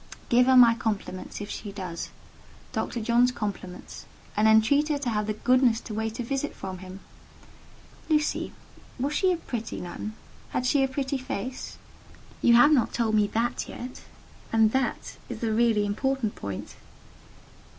"Give her my compliments, if she does—Dr. John's compliments—and entreat her to have the goodness to wait a visit from him. Lucy, was she a pretty nun? Had she a pretty face? You have not told me that yet; and that is the really important point."